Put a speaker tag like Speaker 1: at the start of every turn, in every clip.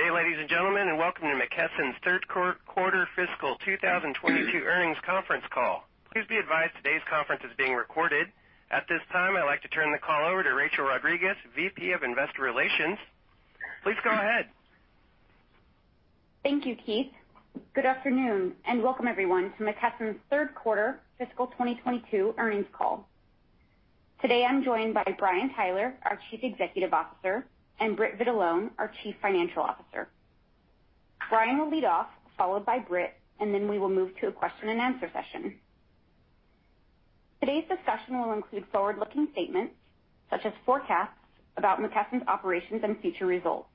Speaker 1: Good day, ladies and gentlemen, and welcome to McKesson's Third Quarter fiscal 2022 earnings conference call. Please be advised today's conference is being recorded. At this time, I'd like to turn the call over to Rachel Rodriguez, VP of Investor Relations. Please go ahead.
Speaker 2: Thank you, Keith. Good afternoon and welcome everyone to McKesson's Third Quarter fiscal 2022 earnings call. Today I'm joined by Brian Tyler, our Chief Executive Officer, and Britt Vitalone, our Chief Financial Officer. Brian will lead off, followed by Britt, and then we will move to a question and answer session. Today's discussion will include forward-looking statements such as forecasts about McKesson's operations and future results.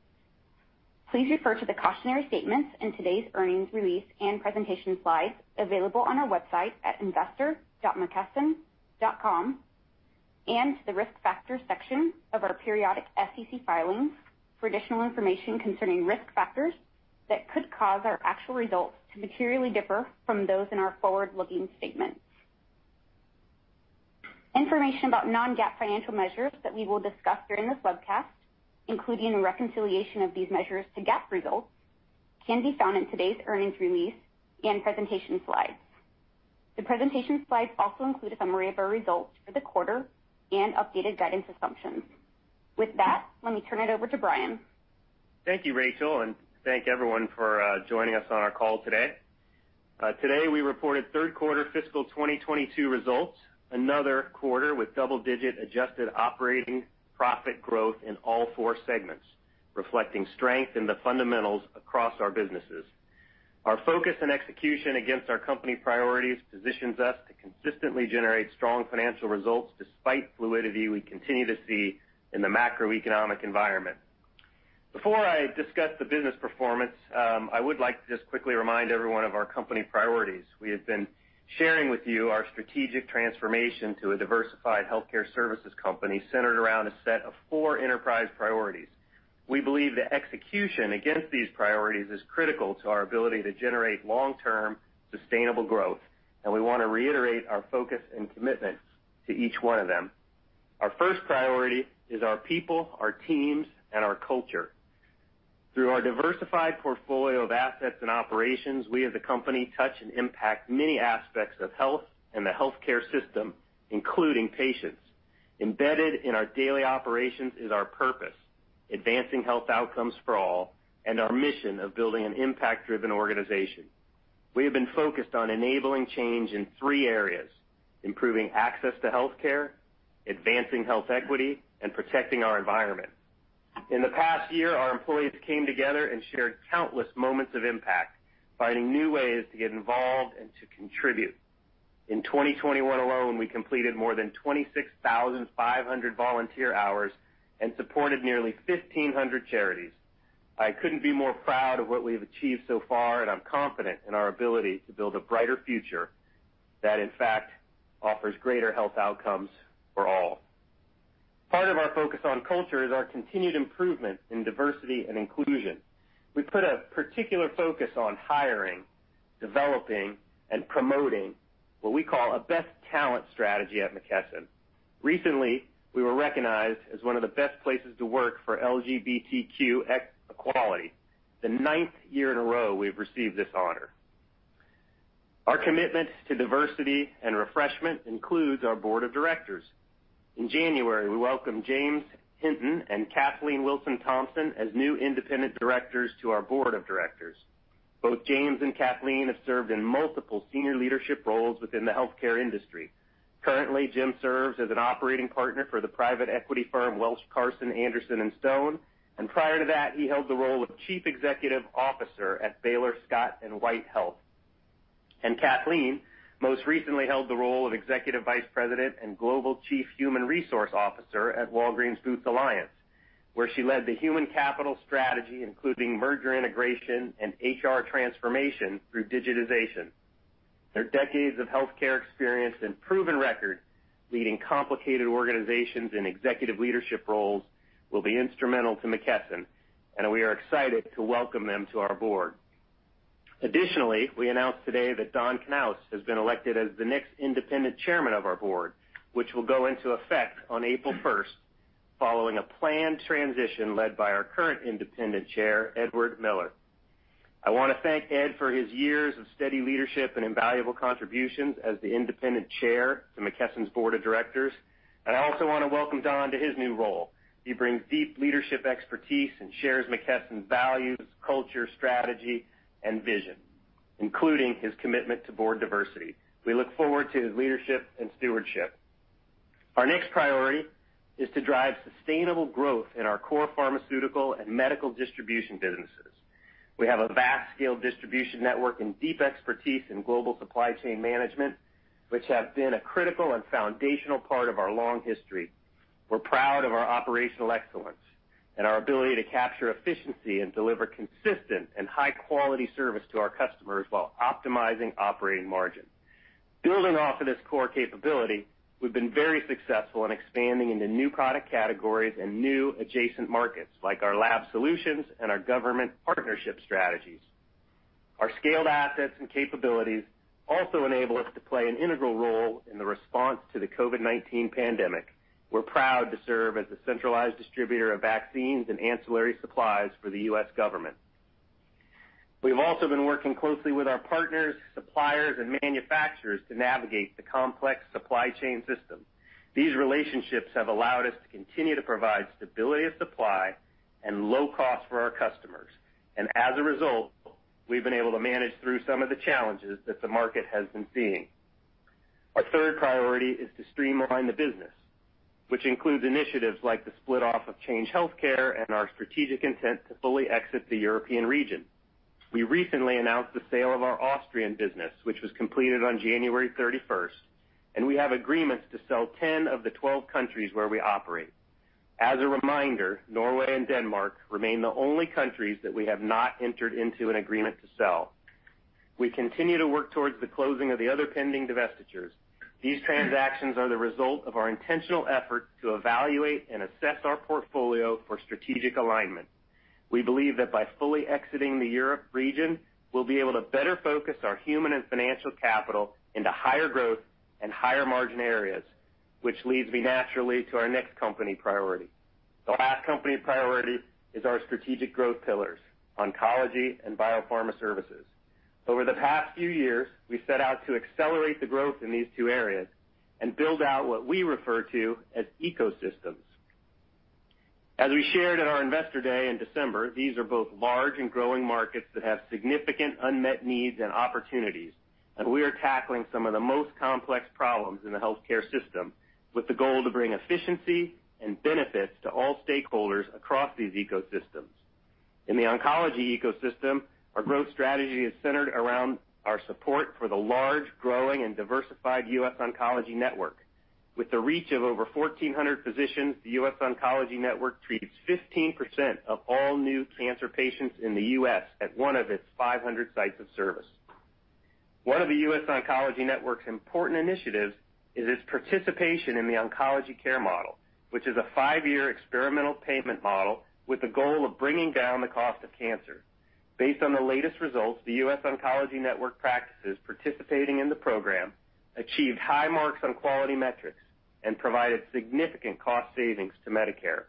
Speaker 2: Please refer to the cautionary statements in today's earnings release and presentation slides available on our website at investor.mckesson.com and the Risk Factors section of our periodic SEC filings for additional information concerning risk factors that could cause our actual results to materially differ from those in our forward-looking statements. Information about non-GAAP financial measures that we will discuss during this webcast, including a reconciliation of these measures to GAAP results, can be found in today's earnings release and presentation slides. The presentation slides also include a summary of our results for the quarter and updated guidance assumptions. With that, let me turn it over to Brian.
Speaker 3: Thank you, Rachel, and thank everyone for joining us on our call today. Today we reported third quarter fiscal 2022 results. Another quarter with double-digit adjusted operating profit growth in all four segments, reflecting strength in the fundamentals across our businesses. Our focus and execution against our company priorities positions us to consistently generate strong financial results despite fluidity we continue to see in the macroeconomic environment. Before I discuss the business performance, I would like to just quickly remind everyone of our company priorities. We have been sharing with you our strategic transformation to a diversified healthcare services company centered around a set of four enterprise priorities. We believe that execution against these priorities is critical to our ability to generate long-term sustainable growth, and we wanna reiterate our focus and commitment to each one of them. Our first priority is our people, our teams, and our culture. Through our diversified portfolio of assets and operations, we as a company touch and impact many aspects of health and the healthcare system, including patients. Embedded in our daily operations is our purpose, advancing health outcomes for all, and our mission of building an impact-driven organization. We have been focused on enabling change in three areas: improving access to healthcare, advancing health equity, and protecting our environment. In the past year, our employees came together and shared countless moments of impact, finding new ways to get involved and to contribute. In 2021 alone, we completed more than 26,500 volunteer hours and supported nearly 1,500 charities. I couldn't be more proud of what we have achieved so far, and I'm confident in our ability to build a brighter future that in fact offers greater health outcomes for all. Part of our focus on culture is our continued improvement in diversity and inclusion. We put a particular focus on hiring, developing, and promoting what we call a best talent strategy at McKesson. Recently, we were recognized as one of the best places to work for LGBTQ equality, the ninth year in a row we've received this honor. Our commitment to diversity and retention includes our board of directors. In January, we welcomed James Hinton and Kathleen Wilson-Thompson as new independent directors to our board of directors. Both James and Kathleen have served in multiple senior leadership roles within the healthcare industry. Currently, Jim serves as an operating partner for the private equity firm Welsh, Carson, Anderson & Stowe, and prior to that, he held the role of Chief Executive Officer at Baylor Scott & White Health. Kathleen most recently held the role of Executive Vice President and Global Chief Human Resource Officer at Walgreens Boots Alliance, where she led the human capital strategy, including merger integration and HR transformation through digitization. Their decades of healthcare experience and proven record leading complicated organizations in executive leadership roles will be instrumental to McKesson, and we are excited to welcome them to our board. Additionally, we announced today that Don Knauss has been elected as the next independent chairman of our board, which will go into effect on April 1st, following a planned transition led by our current independent chair, Edward Mueller. I wanna thank Ed for his years of steady leadership and invaluable contributions as the Independent Chair to McKesson’s Board of Directors, and I also wanna welcome Don to his new role. He brings deep leadership expertise and shares McKesson’s values, culture, strategy, and vision, including his commitment to board diversity. We look forward to his leadership and stewardship. Our next priority is to drive sustainable growth in our core pharmaceutical and medical distribution businesses. We have a vast scale distribution network and deep expertise in global supply chain management, which have been a critical and foundational part of our long history. We’re proud of our operational excellence and our ability to capture efficiency and deliver consistent and high quality service to our customers while optimizing operating margin. Building off of this core capability, we've been very successful in expanding into new product categories and new adjacent markets like our lab solutions and our government partnership strategies. Our scaled assets and capabilities also enable us to play an integral role in the response to the COVID-19 pandemic. We're proud to serve as the centralized distributor of vaccines and ancillary supplies for the U.S. government. We've also been working closely with our partners, suppliers, and manufacturers to navigate the complex supply chain system. These relationships have allowed us to continue to provide stability of supply and low cost for our customers. As a result, we've been able to manage through some of the challenges that the market has been seeing. Our third priority is to streamline the business, which includes initiatives like the split off of Change Healthcare and our strategic intent to fully exit the European region. We recently announced the sale of our Austrian business, which was completed on January 31st, and we have agreements to sell 10 of the 12 countries where we operate. As a reminder, Norway and Denmark remain the only countries that we have not entered into an agreement to sell. We continue to work towards the closing of the other pending divestitures. These transactions are the result of our intentional effort to evaluate and assess our portfolio for strategic alignment. We believe that by fully exiting the Europe region, we'll be able to better focus our human and financial capital into higher growth and higher margin areas, which leads me naturally to our next company priority. The last company priority is our strategic growth pillars, oncology and biopharma services. Over the past few years, we set out to accelerate the growth in these two areas and build out what we refer to as ecosystems. As we shared at our Investor Day in December, these are both large and growing markets that have significant unmet needs and opportunities, and we are tackling some of the most complex problems in the healthcare system with the goal to bring efficiency and benefits to all stakeholders across these ecosystems. In the oncology ecosystem, our growth strategy is centered around our support for the large, growing, and diversified U.S. Oncology Network. With the reach of over 1,400 physicians, the U.S. Oncology Network treats 15% of all new cancer patients in the U.S. at one of its 500 sites of service. One of the U.S. Oncology Network's important initiatives is its participation in the Oncology Care Model, which is a five-year experimental payment model with the goal of bringing down the cost of cancer. Based on the latest results, the U.S. Oncology Network practices participating in the program achieved high marks on quality metrics and provided significant cost savings to Medicare.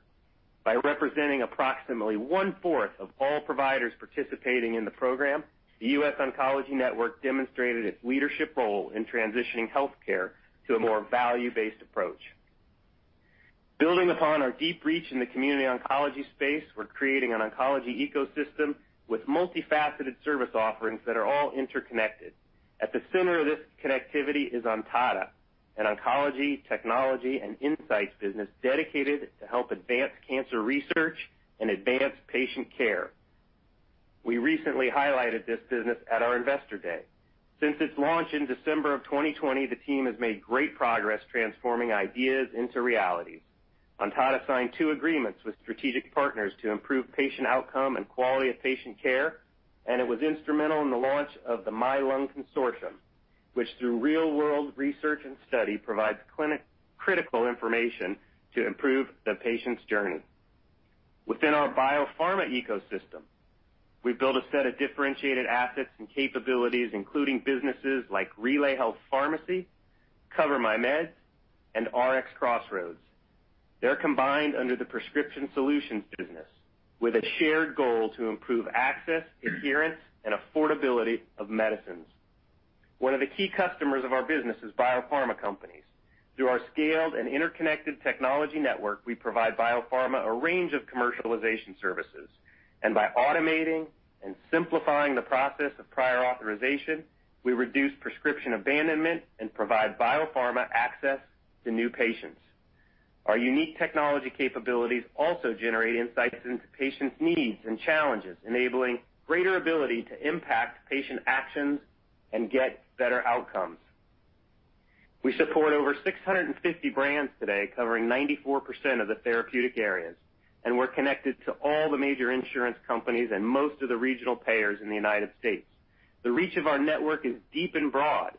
Speaker 3: By representing approximately one-fourth of all providers participating in the program, the U.S. Oncology Network demonstrated its leadership role in transitioning healthcare to a more value-based approach. Building upon our deep reach in the community oncology space, we're creating an oncology ecosystem with multifaceted service offerings that are all interconnected. At the center of this connectivity is Ontada, an oncology technology and insights business dedicated to help advance cancer research and advance patient care. We recently highlighted this business at our Investor Day. Since its launch in December 2020, the team has made great progress transforming ideas into realities. Ontada signed two agreements with strategic partners to improve patient outcome and quality of patient care, and it was instrumental in the launch of the MYLUNG Consortium, which through real-world research and study, provides clinically critical information to improve the patient's journey. Within our biopharma ecosystem, we've built a set of differentiated assets and capabilities, including businesses like RelayHealth Pharmacy, CoverMyMeds, and RxCrossroads. They're combined under the prescription solutions business with a shared goal to improve access, adherence, and affordability of medicines. One of the key customers of our business is biopharma companies. Through our scaled and interconnected technology network, we provide biopharma a range of commercialization services. By automating and simplifying the process of prior authorization, we reduce prescription abandonment and provide biopharma access to new patients. Our unique technology capabilities also generate insights into patients' needs and challenges, enabling greater ability to impact patient actions and get better outcomes. We support over 650 brands today covering 94% of the therapeutic areas, and we're connected to all the major insurance companies and most of the regional payers in the United States. The reach of our network is deep and broad,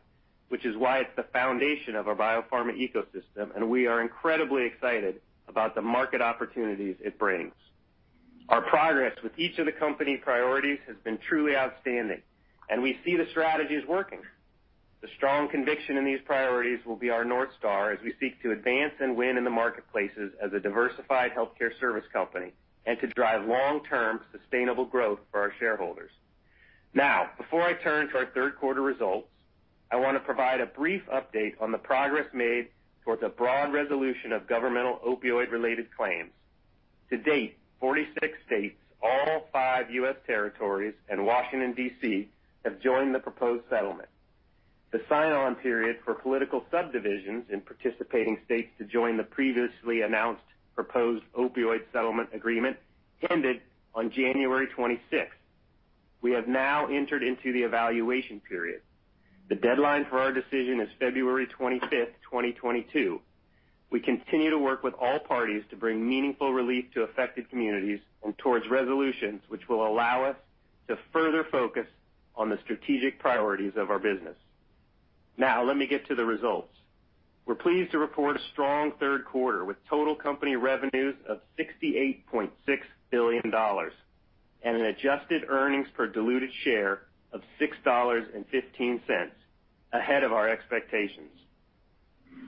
Speaker 3: which is why it's the foundation of our biopharma ecosystem, and we are incredibly excited about the market opportunities it brings. Our progress with each of the company priorities has been truly outstanding, and we see the strategies working. The strong conviction in these priorities will be our North Star as we seek to advance and win in the marketplaces as a diversified healthcare service company and to drive long-term sustainable growth for our shareholders. Now, before I turn to our third quarter results, I want to provide a brief update on the progress made towards a broad resolution of governmental opioid-related claims. To date, 46 states, all five U.S. territories, and Washington, D.C., have joined the proposed settlement. The sign-on period for political subdivisions in participating states to join the previously announced proposed opioid settlement agreement ended on January 26th. We have now entered into the evaluation period. The deadline for our decision is February 25th, 2022. We continue to work with all parties to bring meaningful relief to affected communities and towards resolutions which will allow us to further focus on the strategic priorities of our business. Now let me get to the results. We're pleased to report a strong third quarter with total company revenues of $68.6 billion and an adjusted earnings per diluted share of $6.15 ahead of our expectations.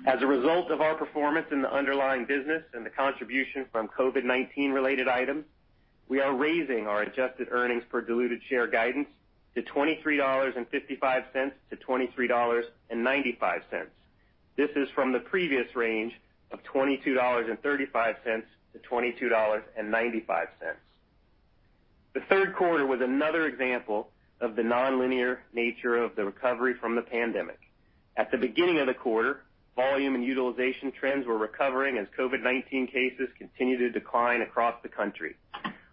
Speaker 3: As a result of our performance in the underlying business and the contribution from COVID-19 related items, we are raising our adjusted earnings per diluted share guidance to $23.55-$23.95. This is from the previous range of $22.35-$22.95. The third quarter was another example of the nonlinear nature of the recovery from the pandemic. At the beginning of the quarter, volume and utilization trends were recovering as COVID-19 cases continued to decline across the country.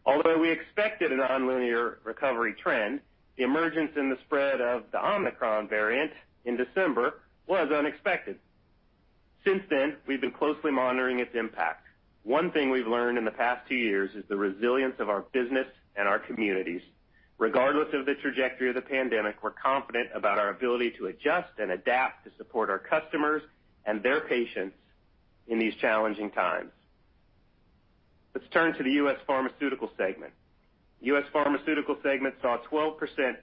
Speaker 3: Although we expected a nonlinear recovery trend, the emergence in the spread of the Omicron variant in December was unexpected. Since then, we've been closely monitoring its impact. One thing we've learned in the past two years is the resilience of our business and our communities. Regardless of the trajectory of the pandemic, we're confident about our ability to adjust and adapt to support our customers and their patients in these challenging times. Let's turn to the U.S. Pharmaceutical segment. U.S. Pharmaceutical segment saw 12%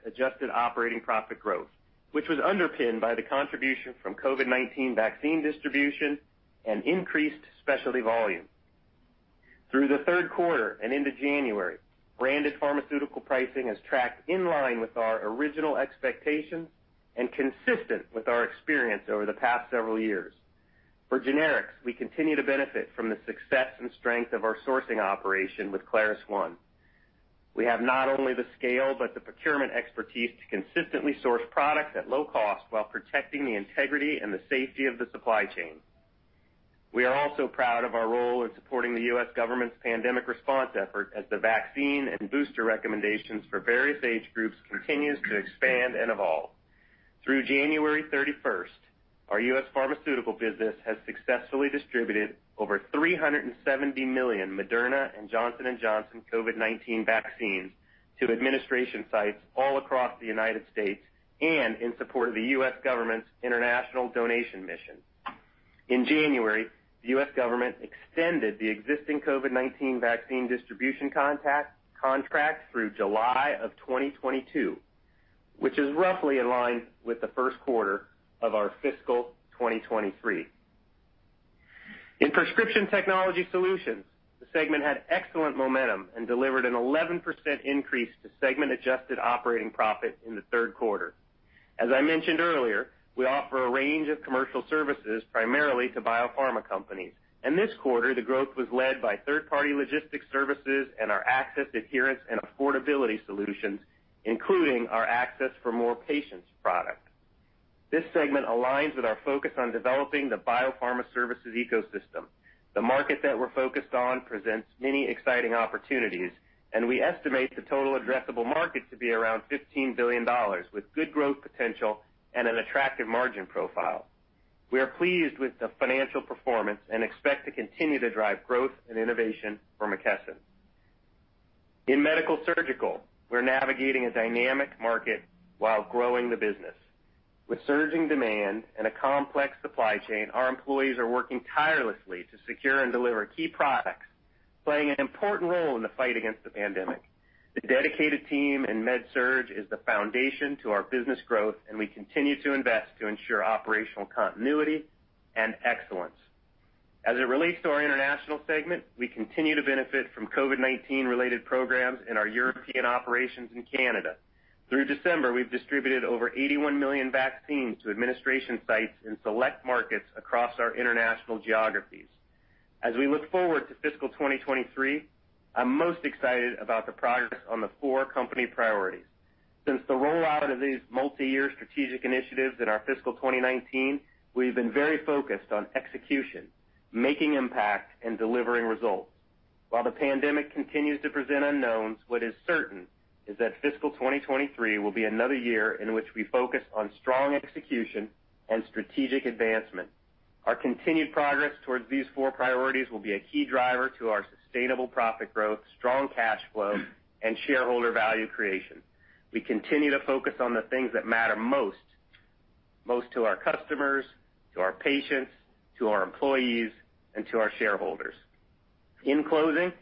Speaker 3: adjusted operating profit growth, which was underpinned by the contribution from COVID-19 vaccine distribution and increased specialty volume. Through the third quarter and into January, branded pharmaceutical pricing has tracked in line with our original expectations and consistent with our experience over the past several years. For generics, we continue to benefit from the success and strength of our sourcing operation with ClarusONE. We have not only the scale, but the procurement expertise to consistently source product at low cost while protecting the integrity and the safety of the supply chain. We are also proud of our role in supporting the U.S. government's pandemic response effort as the vaccine and booster recommendations for various age groups continues to expand and evolve. Through January 31st, our U.S. Pharmaceutical business has successfully distributed over 370 million Moderna and Johnson & Johnson COVID-19 vaccines to administration sites all across the United States and in support of the U.S. government's international donation mission. In January, the U.S. government extended the existing COVID-19 vaccine distribution contract through July 2022, which is roughly in line with the first quarter of our fiscal 2023. In Prescription Technology Solutions, the segment had excellent momentum and delivered an 11% increase to segment adjusted operating profit in the third quarter. As I mentioned earlier, we offer a range of commercial services primarily to biopharma companies. In this quarter, the growth was led by third-party logistics services and our access, adherence, and affordability solutions, including our Access for More Patients product. This segment aligns with our focus on developing the biopharma services ecosystem. The market that we're focused on presents many exciting opportunities, and we estimate the total addressable market to be around $15 billion with good growth potential and an attractive margin profile. We are pleased with the financial performance and expect to continue to drive growth and innovation for McKesson. In Medical-Surgical, we're navigating a dynamic market while growing the business. With surging demand and a complex supply chain, our employees are working tirelessly to secure and deliver key products, playing an important role in the fight against the pandemic. The dedicated team in med surg is the foundation to our business growth, and we continue to invest to ensure operational continuity and excellence. As it relates to our International segment, we continue to benefit from COVID-19 related programs in our European operations in Canada. Through December, we've distributed over 81 million vaccines to administration sites in select markets across our international geographies. As we look forward to fiscal 2023, I'm most excited about the progress on the four company priorities. Since the rollout of these multi-year strategic initiatives in our fiscal 2019, we've been very focused on execution, making impact, and delivering results. While the pandemic continues to present unknowns, what is certain is that fiscal 2023 will be another year in which we focus on strong execution and strategic advancement. Our continued progress towards these four priorities will be a key driver to our sustainable profit growth, strong cash flow, and shareholder value creation. We continue to focus on the things that matter most to our customers, to our patients, to our employees, and to our shareholders. In closing,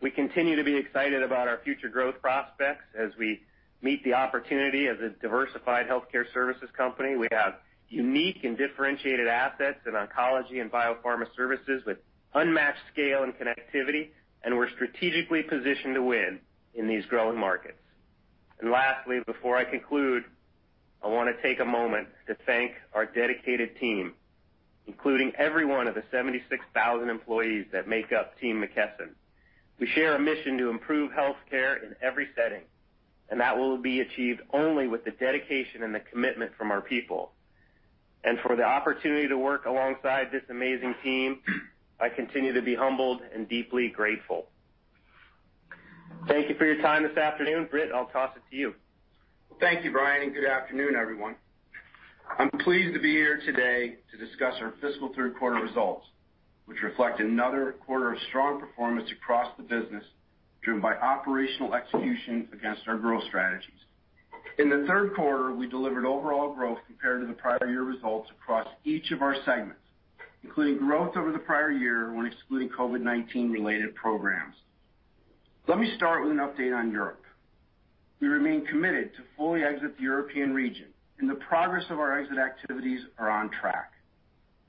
Speaker 3: we continue to be excited about our future growth prospects as we meet the opportunity as a diversified healthcare services company. We have unique and differentiated assets in oncology and biopharma services with unmatched scale and connectivity, and we're strategically positioned to win in these growing markets. Lastly, before I conclude, I wanna take a moment to thank our dedicated team, including every one of the 76,000 employees that make up Team McKesson. We share a mission to improve healthcare in every setting, and that will be achieved only with the dedication and the commitment from our people. For the opportunity to work alongside this amazing team, I continue to be humbled and deeply grateful. Thank you for your time this afternoon. Britt, I'll toss it to you.
Speaker 4: Thank you, Brian, and good afternoon, everyone. I'm pleased to be here today to discuss our fiscal third quarter results, which reflect another quarter of strong performance across the business, driven by operational execution against our growth strategies. In the third quarter, we delivered overall growth compared to the prior year results across each of our segments, including growth over the prior year when excluding COVID-19 related programs. Let me start with an update on Europe. We remain committed to fully exit the European region, and the progress of our exit activities are on track.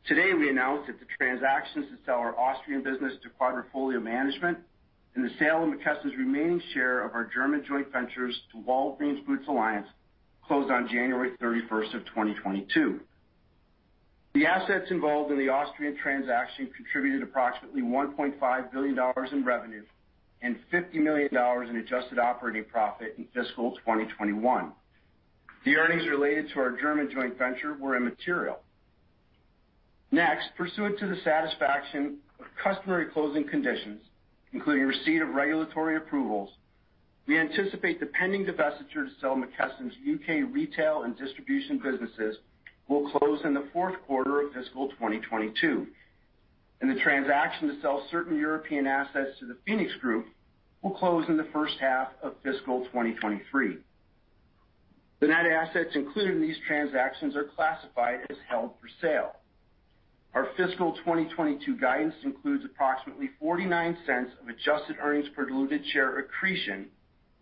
Speaker 4: Today, we announced that the transactions to sell our Austrian business to Quadrifoglio Group and the sale of McKesson's remaining share of our German joint ventures to Walgreens Boots Alliance closed on January 31st, 2022. The assets involved in the Austrian transaction contributed approximately $1.5 billion in revenue and $50 million in adjusted operating profit in fiscal 2021. The earnings related to our German joint venture were immaterial. Next, pursuant to the satisfaction of customary closing conditions, including receipt of regulatory approvals, we anticipate the pending divestiture to sell McKesson's U.K. retail and distribution businesses will close in the fourth quarter of fiscal 2022, and the transaction to sell certain European assets to the PHOENIX group will close in the first half of fiscal 2023. The net assets included in these transactions are classified as held for sale. Our fiscal 2022 guidance includes approximately $0.49 of adjusted earnings per diluted share accretion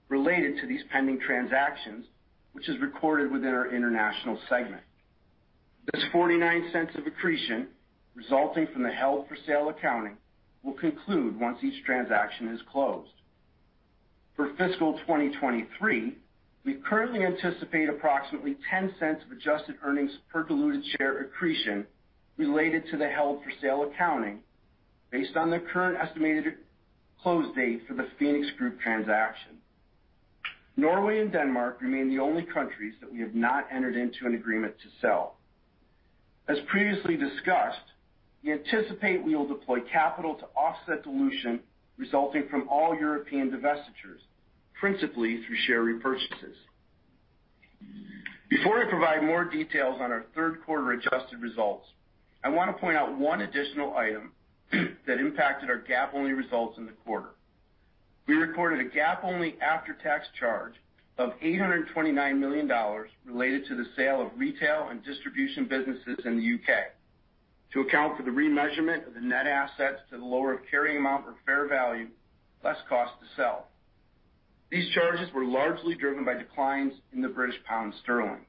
Speaker 4: related to these pending transactions, which is recorded within our international segment. This $0.49 of accretion resulting from the held for sale accounting will conclude once each transaction is closed. For fiscal 2023, we currently anticipate approximately $0.10 of adjusted earnings per diluted share accretion related to the held for sale accounting based on the current estimated close date for the PHOENIX group transaction. Norway and Denmark remain the only countries that we have not entered into an agreement to sell. As previously discussed, we anticipate we will deploy capital to offset dilution resulting from all European divestitures, principally through share repurchases. Before I provide more details on our third quarter adjusted results, I wanna point out one additional item that impacted our GAAP-only results in the quarter. We recorded a GAAP-only after-tax charge of $829 million related to the sale of retail and distribution businesses in the U.K. to account for the remeasurement of the net assets to the lower of carrying amount or fair value, less cost to sell. These charges were largely driven by declines in the British pound sterling.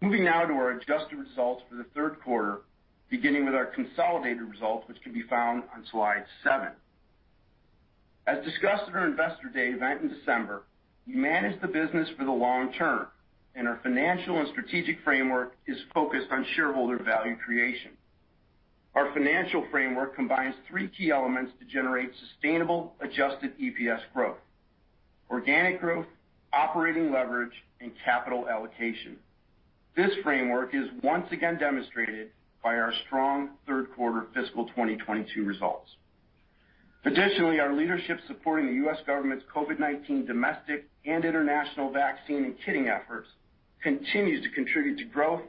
Speaker 4: Moving now to our adjusted results for the third quarter, beginning with our consolidated results, which can be found on slide seven. As discussed at our Investor Day event in December, we manage the business for the long term, and our financial and strategic framework is focused on shareholder value creation. Our financial framework combines three key elements to generate sustainable adjusted EPS growth, organic growth, operating leverage, and capital allocation. This framework is once again demonstrated by our strong third quarter fiscal 2022 results. Additionally, our leadership supporting the U.S. government's COVID-19 domestic and international vaccine and kitting efforts continues to contribute to growth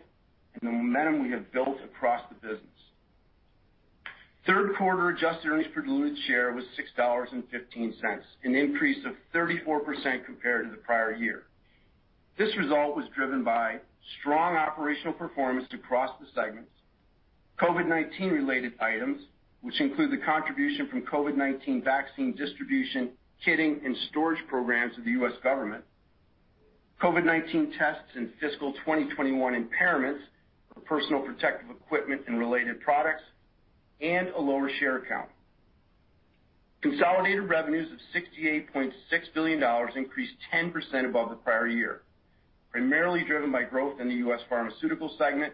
Speaker 4: and the momentum we have built across the business. Third quarter adjusted earnings per diluted share was $6.15, a 34% increase compared to the prior year. This result was driven by strong operational performance across the segments, COVID-19-related items, which include the contribution from COVID-19 vaccine distribution, kitting, and storage programs of the U.S. government, COVID-19 tests and fiscal 2021 impairments for personal protective equipment and related products, and a lower share count. Consolidated revenues of $68.6 billion increased 10% above the prior year, primarily driven by growth in the U.S. Pharmaceutical segment,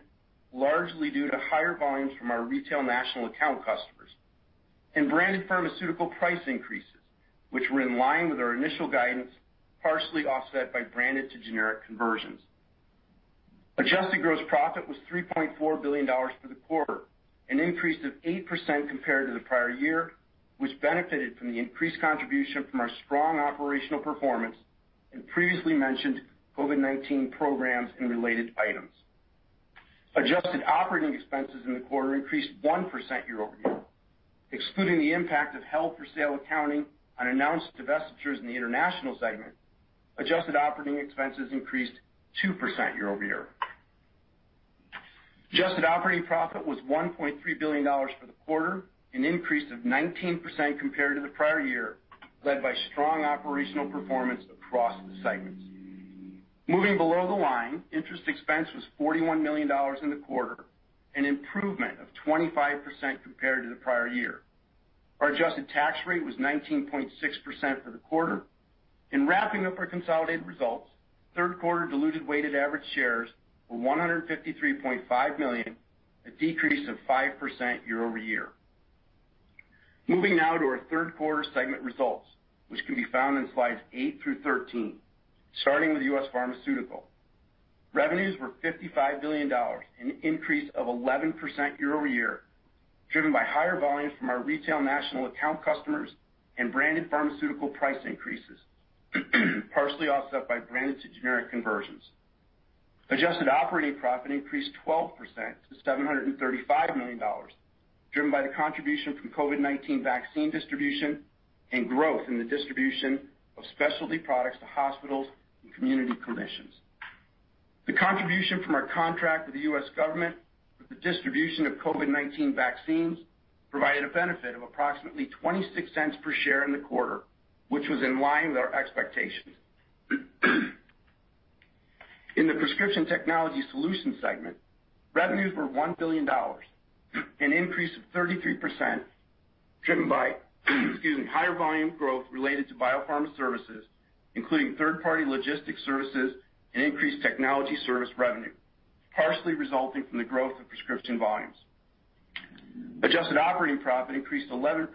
Speaker 4: largely due to higher volumes from our retail national account customers and branded pharmaceutical price increases, which were in line with our initial guidance, partially offset by branded to generic conversions. Adjusted gross profit was $3.4 billion for the quarter, an increase of 8% compared to the prior year, which benefited from the increased contribution from our strong operational performance and previously mentioned COVID-19 programs and related items. Adjusted operating expenses in the quarter increased 1% year-over-year. Excluding the impact of held for sale accounting on announced divestitures in the international segment, adjusted operating expenses increased 2% year-over-year. Adjusted operating profit was $1.3 billion for the quarter, an increase of 19% compared to the prior year, led by strong operational performance across the segments. Moving below the line, interest expense was $41 million in the quarter, an improvement of 25% compared to the prior year. Our adjusted tax rate was 19.6% for the quarter. In wrapping up our consolidated results, third quarter diluted weighted average shares were 153.5 million, a decrease of 5% year-over-year. Moving now to our third quarter segment results, which can be found in slides eight through 13. Starting with U.S. Pharmaceutical. Revenues were $55 billion, an increase of 11% year-over-year, driven by higher volumes from our retail national account customers and branded pharmaceutical price increases, partially offset by branded to generic conversions. Adjusted operating profit increased 12% to $735 million, driven by the contribution from COVID-19 vaccine distribution and growth in the distribution of specialty products to hospitals and community clinicians. The contribution from our contract with the U.S. government for the distribution of COVID-19 vaccines provided a benefit of approximately $0.26 per share in the quarter, which was in line with our expectations. In the Prescription Technology Solutions segment, revenues were $1 billion, an increase of 33%, driven by, excuse me, higher volume growth related to biopharma services, including third-party logistics services and increased technology service revenue, partially resulting from the growth of prescription volumes. Adjusted operating profit increased 11%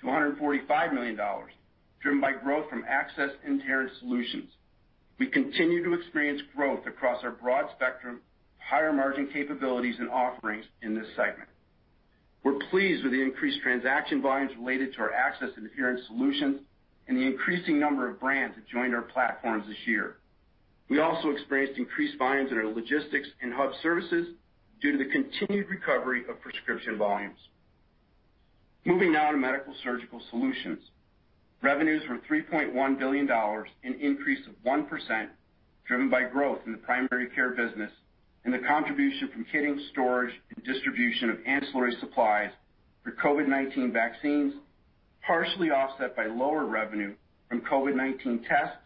Speaker 4: to $145 million, driven by growth from access and adherence solutions. We continue to experience growth across our broad spectrum of higher margin capabilities and offerings in this segment. We're pleased with the increased transaction volumes related to our access and adherence solutions and the increasing number of brands that joined our platforms this year. We also experienced increased volumes in our logistics and hub services due to the continued recovery of prescription volumes. Moving now to Medical-Surgical Solutions. Revenues were $3.1 billion, an increase of 1%, driven by growth in the primary care business and the contribution from kitting, storage, and distribution of ancillary supplies for COVID-19 vaccines, partially offset by lower revenue from COVID-19 tests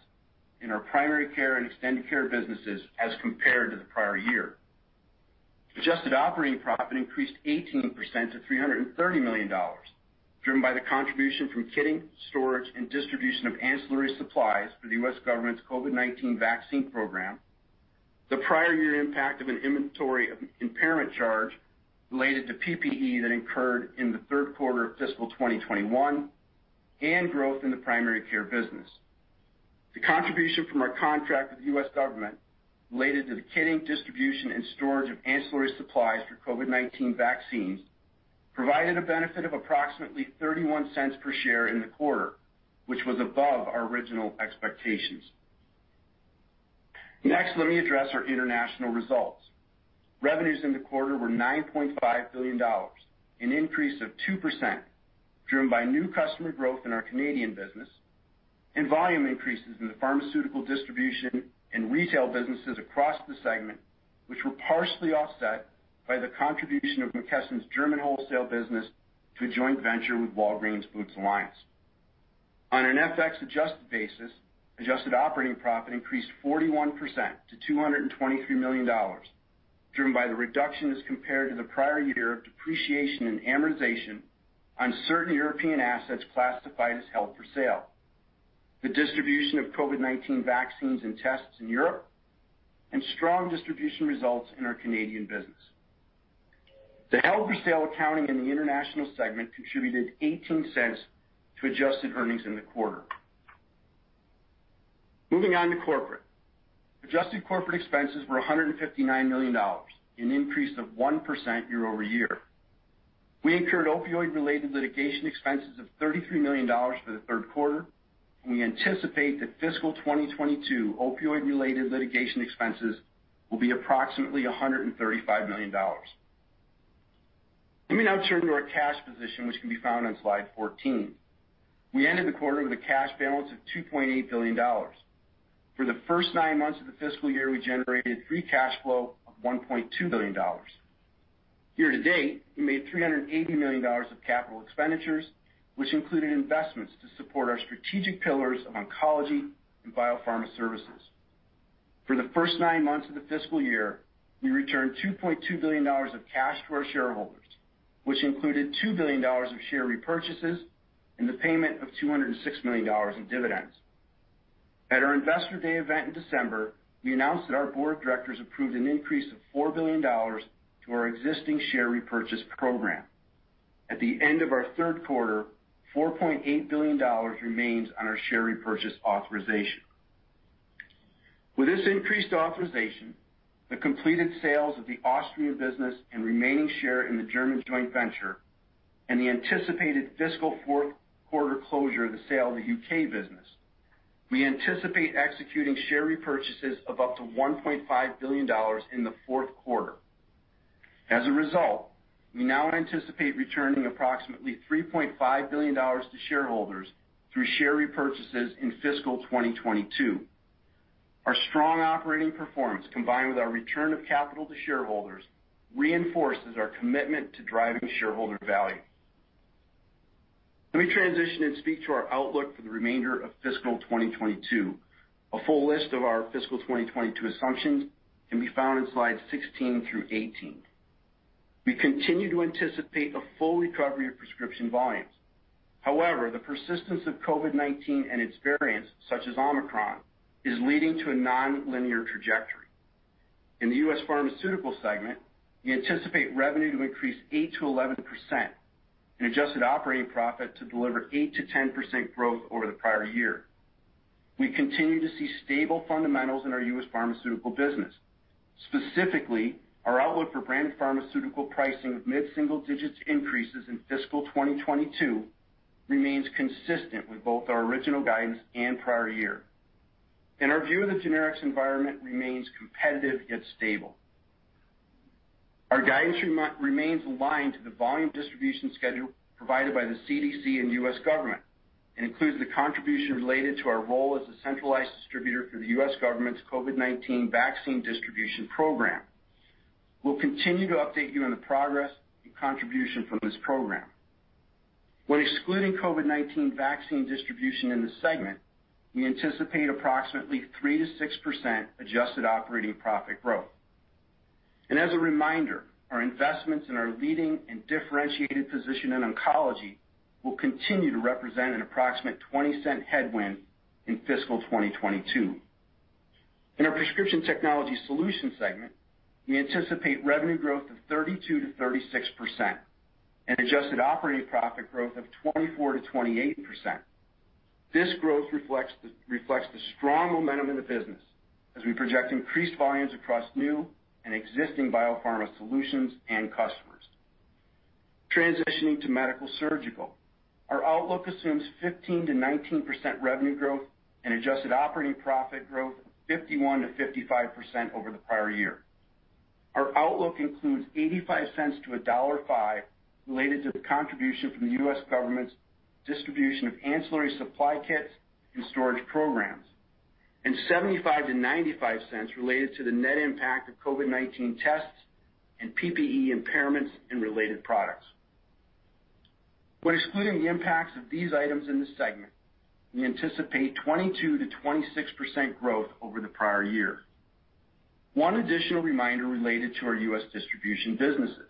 Speaker 4: in our primary care and extended care businesses as compared to the prior year. Adjusted operating profit increased 18% to $330 million, driven by the contribution from kitting, storage, and distribution of ancillary supplies for the U.S. government's COVID-19 vaccine program, the prior year impact of an inventory impairment charge related to PPE that incurred in the third quarter of fiscal 2021, and growth in the primary care business. The contribution from our contract with the U.S. government related to the kitting, distribution, and storage of ancillary supplies for COVID-19 vaccines provided a benefit of approximately $0.31 per share in the quarter, which was above our original expectations. Next, let me address our international results. Revenues in the quarter were $9.5 billion, an increase of 2%, driven by new customer growth in our Canadian business and volume increases in the pharmaceutical distribution and retail businesses across the segment, which were partially offset by the contribution of McKesson's German wholesale business to a joint venture with Walgreens Boots Alliance. On an FX adjusted basis, adjusted operating profit increased 41% to $223 million, driven by the reduction as compared to the prior year of depreciation and amortization on certain European assets classified as held for sale, the distribution of COVID-19 vaccines and tests in Europe and strong distribution results in our Canadian business. The held for sale accounting in the international segment contributed $0.18 to adjusted earnings in the quarter. Moving on to corporate. Adjusted corporate expenses were $159 million, an increase of 1% year-over-year. We incurred opioid-related litigation expenses of $33 million for the third quarter, and we anticipate that fiscal 2022 opioid-related litigation expenses will be approximately $135 million. Let me now turn to our cash position, which can be found on slide 14. We ended the quarter with a cash balance of $2.8 billion. For the first nine months of the fiscal year, we generated free cash flow of $1.2 billion. Year to date, we made $380 million of capital expenditures, which included investments to support our strategic pillars of oncology and biopharma services. For the first nine months of the fiscal year, we returned $2.2 billion of cash to our shareholders, which included $2 billion of share repurchases and the payment of $206 million in dividends. At our Investor Day event in December, we announced that our board of directors approved an increase of $4 billion to our existing share repurchase program. At the end of our third quarter, $4.8 billion remains on our share repurchase authorization. With this increased authorization, the completed sales of the Austrian business and remaining share in the German joint venture, and the anticipated fiscal fourth quarter closure of the sale of the UK business, we anticipate executing share repurchases of up to $1.5 billion in the fourth quarter. As a result, we now anticipate returning approximately $3.5 billion to shareholders through share repurchases in fiscal 2022. Our strong operating performance, combined with our return of capital to shareholders, reinforces our commitment to driving shareholder value. Let me transition and speak to our outlook for the remainder of fiscal 2022. A full list of our fiscal 2022 assumptions can be found in slides 16 through 18. We continue to anticipate a full recovery of prescription volumes. However, the persistence of COVID-19 and its variants, such as Omicron, is leading to a nonlinear trajectory. In the U.S. Pharmaceutical segment, we anticipate revenue to increase 8%-11% and adjusted operating profit to deliver 8%-10% growth over the prior year. We continue to see stable fundamentals in our U.S. Pharmaceutical business. Specifically, our outlook for brand pharmaceutical pricing of mid-single-digit increases in fiscal 2022 remains consistent with both our original guidance and prior year. Our view of the generics environment remains competitive yet stable. Our guidance remains aligned to the volume distribution schedule provided by the CDC and U.S. government, and includes the contribution related to our role as a centralized distributor for the U.S. government's COVID-19 vaccine distribution program. We'll continue to update you on the progress and contribution from this program. When excluding COVID-19 vaccine distribution in the segment, we anticipate approximately 3%-6% adjusted operating profit growth. As a reminder, our investments in our leading and differentiated position in oncology will continue to represent an approximate $0.20 headwind in fiscal 2022. In our Prescription Technology Solutions segment, we anticipate revenue growth of 32%-36% and adjusted operating profit growth of 24%-28%. This growth reflects the strong momentum in the business as we project increased volumes across new and existing biopharma solutions and customers. Transitioning to Medical-Surgical, our outlook assumes 15%-19% revenue growth and adjusted operating profit growth of 51%-55% over the prior year. Our outlook includes $0.85-$1.05 related to the contribution from the U.S. government's distribution of ancillary supply kits and storage programs, and $0.75-$0.95 related to the net impact of COVID-19 tests and PPE impairments and related products. When excluding the impacts of these items in this segment, we anticipate 22%-26% growth over the prior year. One additional reminder related to our U.S. distribution businesses.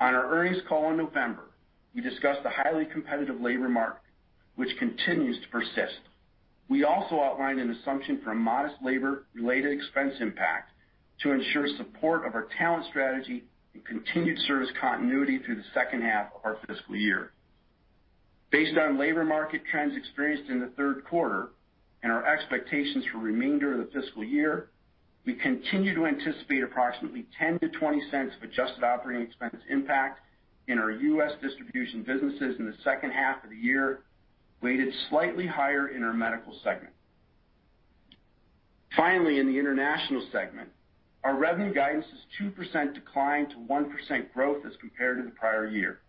Speaker 4: On our earnings call in November, we discussed the highly competitive labor market, which continues to persist. We also outlined an assumption for a modest labor-related expense impact to ensure support of our talent strategy and continued service continuity through the second half of our fiscal year. Based on labor market trends experienced in the third quarter and our expectations for remainder of the fiscal year, we continue to anticipate approximately $0.10-$0.20 of adjusted operating expense impact in our U.S. distribution businesses in the second half of the year, weighted slightly higher in our medical segment. Finally, in the international segment, our revenue guidance is 2% decline to 1% growth as compared to the prior year.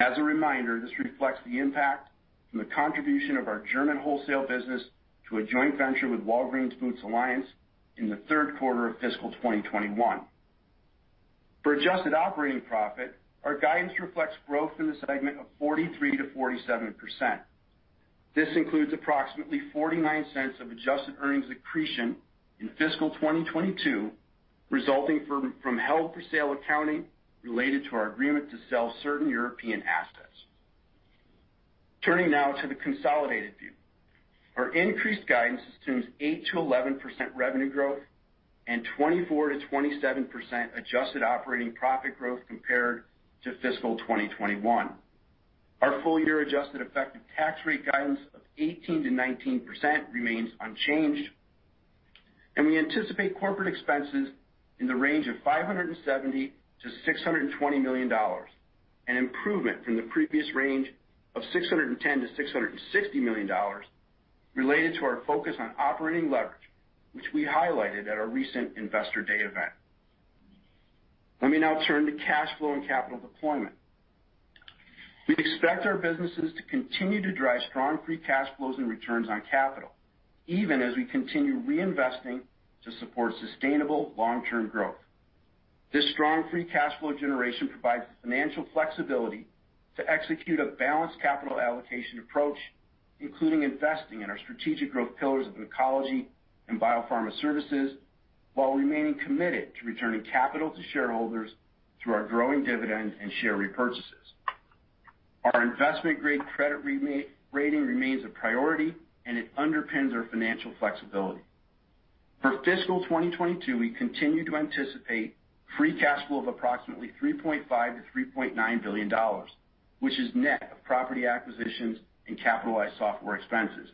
Speaker 4: As a reminder, this reflects the impact from the contribution of our German wholesale business to a joint venture with Walgreens Boots Alliance in the third quarter of fiscal 2021. For adjusted operating profit, our guidance reflects growth in the segment of 43%-47%. This includes approximately $0.49 of adjusted earnings accretion in fiscal 2022, resulting from held for sale accounting related to our agreement to sell certain European assets. Turning now to the consolidated view. Our increased guidance assumes 8%-11% revenue growth and 24%-27% adjusted operating profit growth compared to fiscal 2021. Our full year adjusted effective tax rate guidance of 18%-19% remains unchanged. We anticipate corporate expenses in the range of $570 million-$620 million, an improvement from the previous range of $610 million-$660 million related to our focus on operating leverage, which we highlighted at our recent Investor Day event. Let me now turn to cash flow and capital deployment. We expect our businesses to continue to drive strong free cash flows and returns on capital, even as we continue reinvesting to support sustainable long-term growth. This strong free cash flow generation provides the financial flexibility to execute a balanced capital allocation approach, including investing in our strategic growth pillars of oncology and biopharma services, while remaining committed to returning capital to shareholders through our growing dividend and share repurchases. Our investment-grade credit re-rating remains a priority, and it underpins our financial flexibility. For fiscal 2022, we continue to anticipate free cash flow of approximately $3.5 billion-$3.9 billion, which is net of property acquisitions and capitalized software expenses.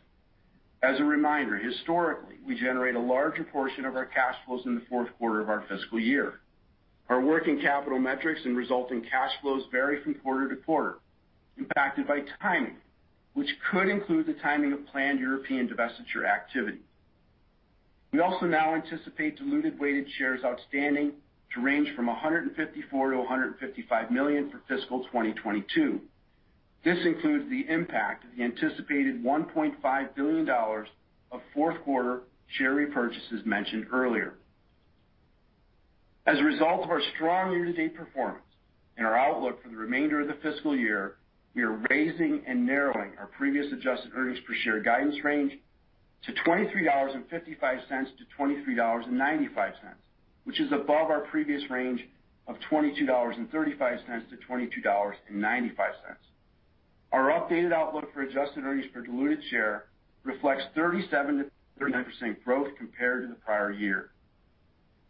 Speaker 4: As a reminder, historically, we generate a larger portion of our cash flows in the fourth quarter of our fiscal year. Our working capital metrics and resulting cash flows vary from quarter to quarter, impacted by timing, which could include the timing of planned European divestiture activity. We also now anticipate diluted weighted shares outstanding to range from 154 million-155 million for fiscal 2022. This includes the impact of the anticipated $1.5 billion of fourth quarter share repurchases mentioned earlier. As a result of our strong year-to-date performance and our outlook for the remainder of the fiscal year, we are raising and narrowing our previous adjusted earnings per share guidance range to $23.55-$23.95, which is above our previous range of $22.35-$22.95. Our updated outlook for adjusted earnings per diluted share reflects 37%-39% growth compared to the prior year.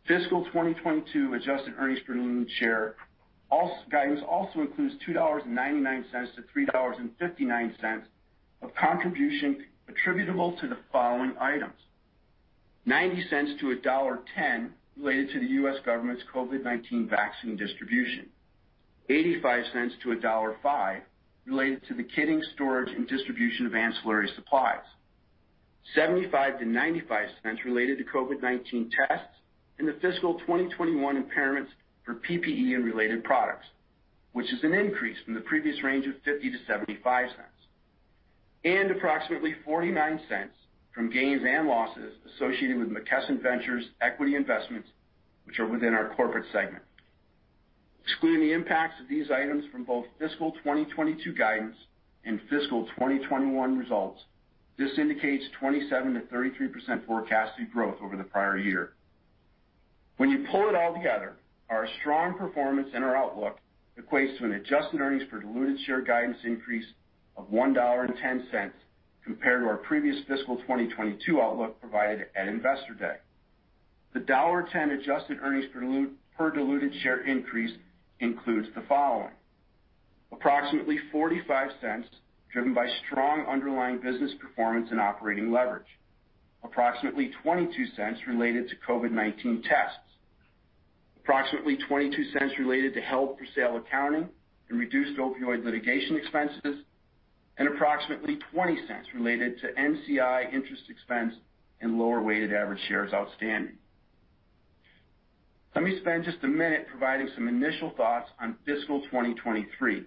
Speaker 4: Fiscal 2022 adjusted earnings per diluted share guidance also includes $2.99-$3.59 of contribution attributable to the following items. $0.90-$1.10 related to the U.S. government's COVID-19 vaccine distribution. $0.85-$1.05 related to the kitting storage and distribution of ancillary supplies. $0.75-$0.95 related to COVID-19 tests and the fiscal 2021 impairments for PPE and related products, which is an increase from the previous range of $0.50-$0.75. Approximately $0.49 from gains and losses associated with McKesson Ventures equity investments, which are within our corporate segment. Excluding the impacts of these items from both fiscal 2022 guidance and fiscal 2021 results, this indicates 27%-33% forecasted growth over the prior year. When you pull it all together, our strong performance and our outlook equates to an adjusted earnings per diluted share guidance increase of $1.10 compared to our previous fiscal 2022 outlook provided at Investor Day. The $1.10 adjusted earnings per diluted share increase includes the following. Approximately $0.45 driven by strong underlying business performance and operating leverage. Approximately $0.22 related to COVID-19 tests. Approximately $0.22 related to held for sale accounting and reduced opioid litigation expenses. Approximately $0.20 related to NCI interest expense and lower weighted average shares outstanding. Let me spend just a minute providing some initial thoughts on fiscal 2023.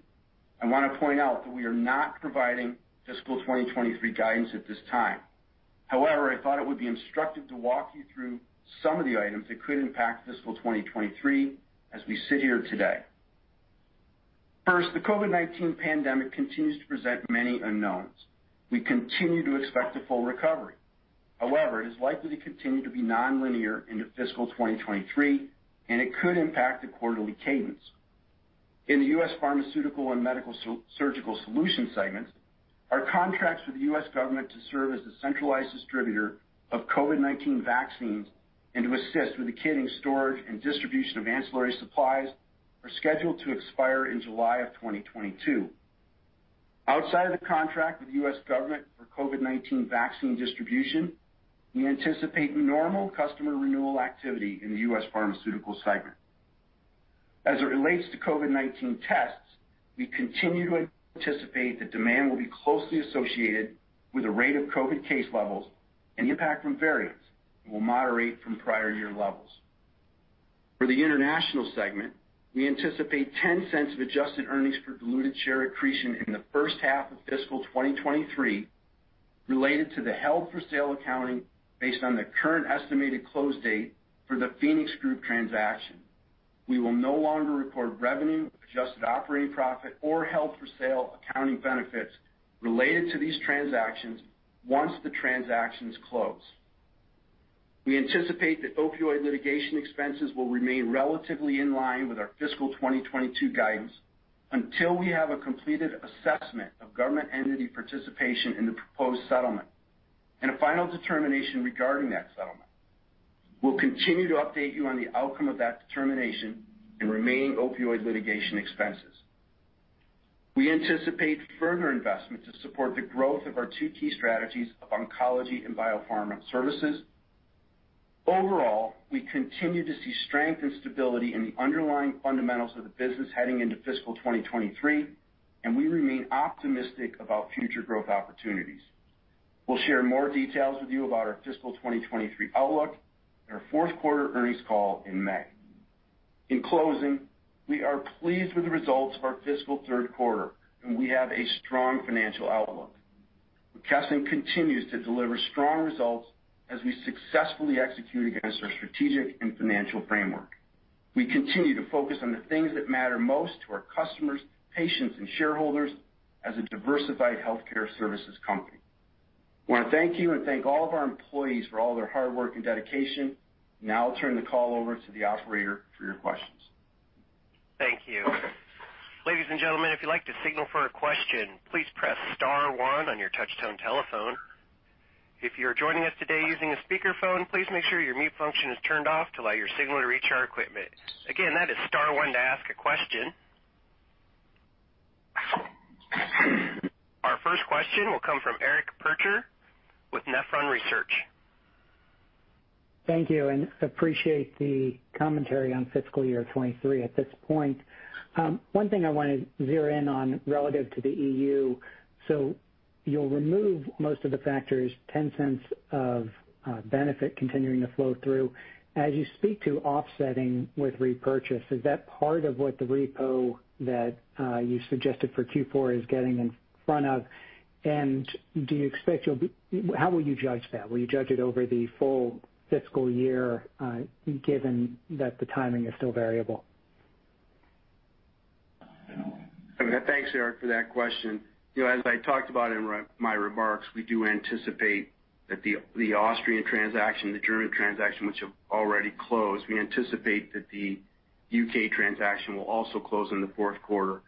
Speaker 4: I wanna point out that we are not providing fiscal 2023 guidance at this time. However, I thought it would be instructive to walk you through some of the items that could impact fiscal 2023 as we sit here today. First, the COVID-19 pandemic continues to present many unknowns. We continue to expect a full recovery. However, it is likely to continue to be nonlinear into fiscal 2023, and it could impact the quarterly cadence. In the U.S. Pharmaceutical and Medical-Surgical Solutions segments, our contracts with the U.S. government to serve as a centralized distributor of COVID-19 vaccines and to assist with the kitting storage and distribution of ancillary supplies are scheduled to expire in July 2022. Outside of the contract with the U.S. government for COVID-19 vaccine distribution, we anticipate normal customer renewal activity in the U.S. Pharmaceutical segment. As it relates to COVID-19 tests, we continue to anticipate that demand will be closely associated with the rate of COVID case levels, and the impact from variants will moderate from prior year levels. For the International segment, we anticipate $0.10 of adjusted earnings per diluted share accretion in the first half of fiscal 2023 related to the held for sale accounting based on the current estimated close date for the PHOENIX group transaction. We will no longer report revenue, adjusted operating profit, or held for sale accounting benefits related to these transactions once the transactions close. We anticipate that opioid litigation expenses will remain relatively in line with our fiscal 2022 guidance until we have a completed assessment of government entity participation in the proposed settlement and a final determination regarding that settlement. We'll continue to update you on the outcome of that determination and remaining opioid litigation expenses. We anticipate further investment to support the growth of our two key strategies of oncology and biopharma services. Overall, we continue to see strength and stability in the underlying fundamentals of the business heading into fiscal 2023, and we remain optimistic about future growth opportunities. We'll share more details with you about our fiscal 2023 outlook in our fourth quarter earnings call in May. In closing, we are pleased with the results of our fiscal third quarter, and we have a strong financial outlook. McKesson continues to deliver strong results as we successfully execute against our strategic and financial framework. We continue to focus on the things that matter most to our customers, patients, and shareholders as a diversified healthcare services company. I wanna thank you and thank all of our employees for all their hard work and dedication. Now I'll turn the call over to the operator for your questions.
Speaker 1: Thank you. Ladies and gentlemen, if you'd like to signal for a question, please press star one on your touchtone telephone. If you're joining us today using a speakerphone, please make sure your mute function is turned off to allow your signal to reach our equipment. Again, that is star one to ask a question. Our first question will come from Eric Percher with Nephron Research.
Speaker 5: Thank you. I appreciate the commentary on fiscal year 2023 at this point. One thing I wanna zero in on relative to the EU. You'll remove most of the factors, $0.10 of benefit continuing to flow through. As you speak to offsetting with repurchase, is that part of what the repo that you suggested for Q4 is getting in front of? How will you judge that? Will you judge it over the full fiscal year, given that the timing is still variable?
Speaker 4: Thanks, Eric, for that question. You know, as I talked about in my remarks, we do anticipate that the Austrian transaction, the German transaction, which have already closed, we anticipate that the U.K. transaction will also close in the fourth quarter.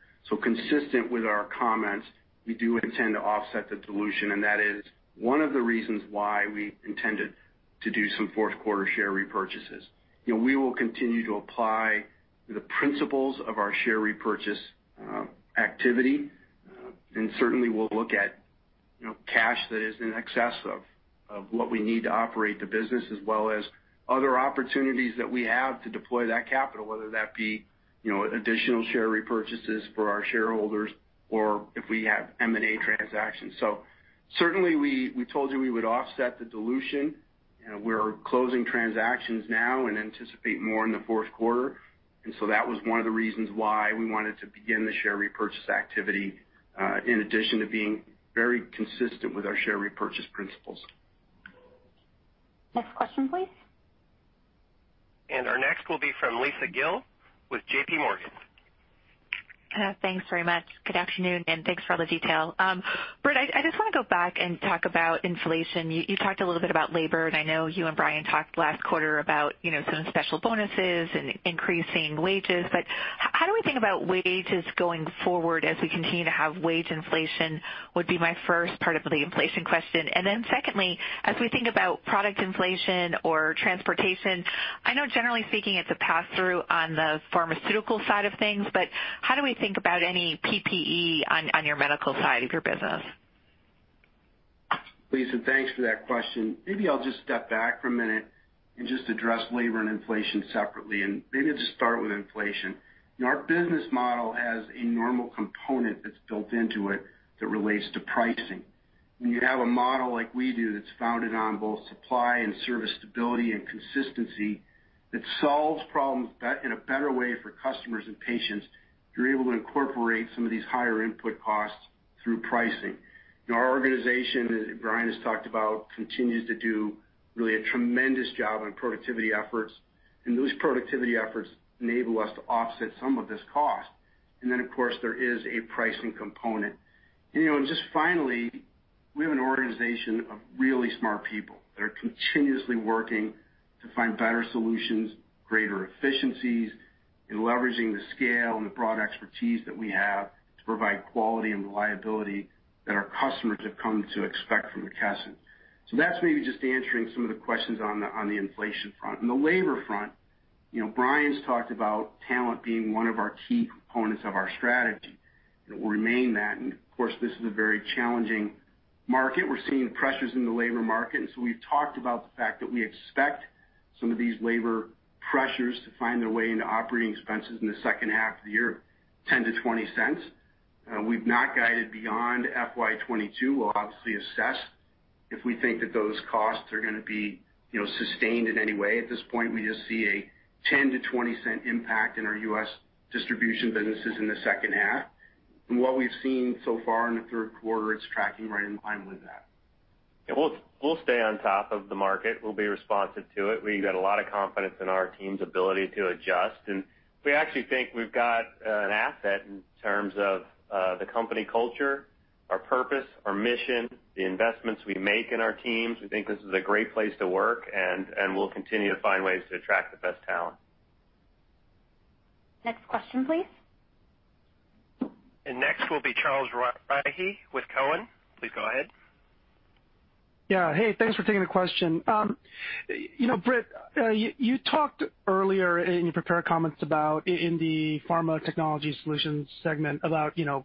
Speaker 4: Consistent with our comments, we do intend to offset the dilution, and that is one of the reasons why we intended to do some fourth quarter share repurchases. You know, we will continue to apply the principles of our share repurchase activity. And certainly, we'll look at, you know, cash that is in excess of what we need to operate the business, as well as other opportunities that we have to deploy that capital, whether that be, you know, additional share repurchases for our shareholders or if we have M&A transactions. Certainly we told you we would offset the dilution. You know, we're closing transactions now and anticipate more in the fourth quarter. That was one of the reasons why we wanted to begin the share repurchase activity, in addition to being very consistent with our share repurchase principles.
Speaker 2: Next question, please.
Speaker 1: Our next will be from Lisa Gill with JPMorgan.
Speaker 6: Thanks very much. Good afternoon, and thanks for all the detail. Britt, I just wanna go back and talk about inflation. You talked a little bit about labor, and I know you and Brian talked last quarter about, you know, some special bonuses and increasing wages. How do we think about wages going forward as we continue to have wage inflation, would be my first part of the inflation question. Then secondly, as we think about product inflation or transportation, I know generally speaking it's a pass-through on the pharmaceutical side of things, but how do we think about any PPE on your medical side of your business?
Speaker 4: Lisa, thanks for that question. Maybe I'll just step back for a minute and just address labor and inflation separately, and maybe just start with inflation. You know, our business model has a normal component that's built into it that relates to pricing. When you have a model like we do that's founded on both supply and service stability and consistency that solves problems in a better way for customers and patients, you're able to incorporate some of these higher input costs through pricing. You know, our organization, as Brian has talked about, continues to do really a tremendous job on productivity efforts, and those productivity efforts enable us to offset some of this cost. Of course, there is a pricing component. You know, just finally, we have an organization of really smart people that are continuously working to find better solutions, greater efficiencies in leveraging the scale and the broad expertise that we have to provide quality and reliability that our customers have come to expect from McKesson. That's maybe just answering some of the questions on the inflation front. On the labor front, you know, Brian's talked about talent being one of our key components of our strategy, and it will remain that. Of course, this is a very challenging market. We're seeing pressures in the labor market, and so we've talked about the fact that we expect some of these labor pressures to find their way into operating expenses in the second half of the year, $0.10-$0.20. We've not guided beyond FY 2022. We'll obviously assess if we think that those costs are gonna be, you know, sustained in any way. At this point, we just see a $0.10-$0.20 impact in our U.S. distribution businesses in the second half. From what we've seen so far in the third quarter, it's tracking right in line with that.
Speaker 3: We'll stay on top of the market. We'll be responsive to it. We've got a lot of confidence in our team's ability to adjust. We actually think we've got an asset in terms of, the company culture, our purpose, our mission, the investments we make in our teams. We think this is a great place to work, and we'll continue to find ways to attract the best talent.
Speaker 2: Next question, please.
Speaker 1: Next will be Charles Rhyee with Cowen. Please go ahead.
Speaker 7: Yeah. Hey, thanks for taking the question. You know, Britt, you talked earlier in your prepared comments about in the Prescription Technology Solutions segment about, you know,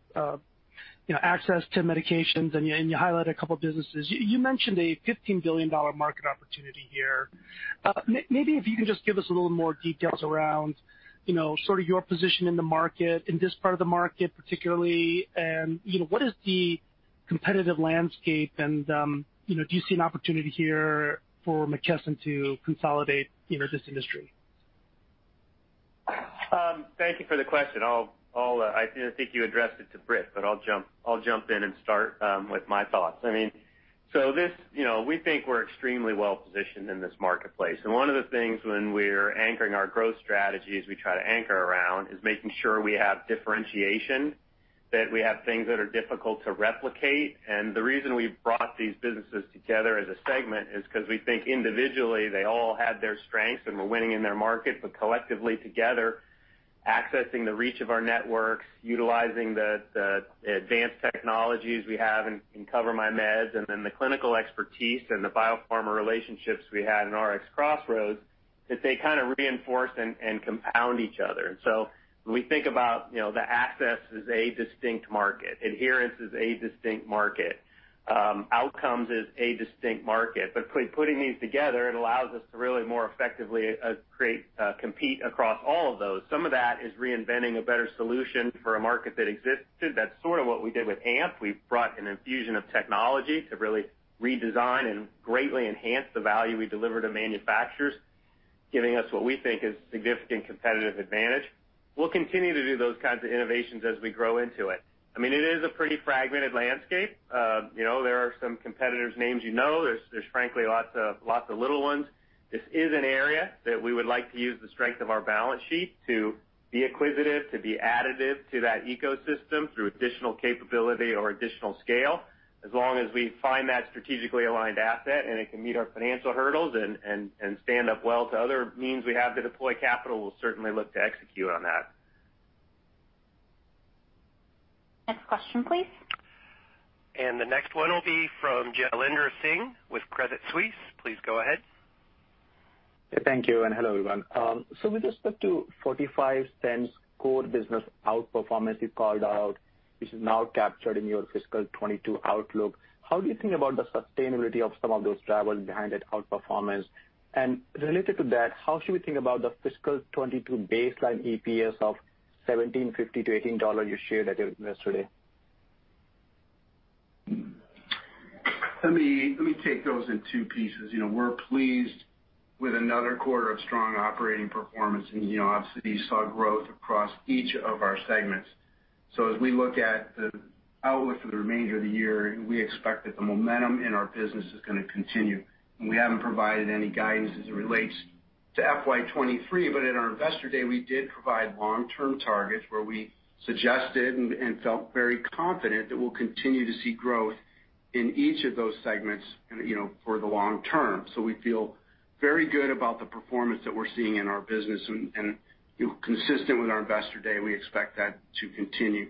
Speaker 7: access to medications, and you highlighted a couple businesses. You mentioned a $15 billion market opportunity here. Maybe if you can just give us a little more details around, you know, sort of your position in the market, in this part of the market particularly, and, you know, what is the competitive landscape and, you know, do you see an opportunity here for McKesson to consolidate, you know, this industry?
Speaker 3: Thank you for the question. I'll I think you addressed it to Britt, but I'll jump in and start with my thoughts. I mean this, you know, we think we're extremely well-positioned in this marketplace. One of the things when we're anchoring our growth strategies we try to anchor around is making sure we have differentiation, that we have things that are difficult to replicate. The reason we've brought these businesses together as a segment is 'cause we think individually they all had their strengths and were winning in their market, but collectively together, accessing the reach of our networks, utilizing the advanced technologies we have in CoverMyMeds, and then the clinical expertise and the biopharma relationships we had in RxCrossroads, that they kinda reinforce and compound each other. When we think about, you know, the access is a distinct market, adherence is a distinct market, outcomes is a distinct market, but putting these together, it allows us to really more effectively, create, compete across all of those. Some of that is reinventing a better solution for a market that existed. That's sort of what we did with AMP. We brought an infusion of technology to really redesign and greatly enhance the value we deliver to manufacturers, giving us what we think is significant competitive advantage. We'll continue to do those kinds of innovations as we grow into it. I mean, it is a pretty fragmented landscape. You know, there are some competitors' names you know. There's frankly lots of little ones. This is an area that we would like to use the strength of our balance sheet to be acquisitive, to be additive to that ecosystem through additional capability or additional scale. As long as we find that strategically aligned asset, and it can meet our financial hurdles and stand up well to other means we have to deploy capital, we'll certainly look to execute on that.
Speaker 2: Next question, please.
Speaker 1: The next one will be from Jailendra Singh with Credit Suisse. Please go ahead.
Speaker 8: Thank you, and hello, everyone. With respect to $0.45 core business outperformance you called out, which is now captured in your fiscal 2022 outlook, how do you think about the sustainability of some of those drivers behind that outperformance? Related to that, how should we think about the fiscal 2022 baseline EPS of $17.50-$18 you shared at Investor Day?
Speaker 4: Let me take those in two pieces. You know, we're pleased with another quarter of strong operating performance. You know, obviously you saw growth across each of our segments. As we look at the outlook for the remainder of the year, we expect that the momentum in our business is gonna continue. We haven't provided any guidance as it relates to FY 2023, but at our Investor Day, we did provide long-term targets where we suggested and felt very confident that we'll continue to see growth in each of those segments and, you know, for the long term. We feel very good about the performance that we're seeing in our business and, you know, consistent with our Investor Day, we expect that to continue.